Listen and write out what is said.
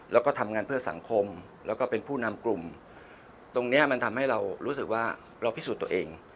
แล้วก็ทำงานเพื่อสังคมแล้วก็เป็นผู้นำกลุ่มตรงนี้มันทำให้เรารู้สึกว่าเราพิสูจน์ตัวเอง